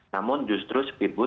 namun justru tidak bisa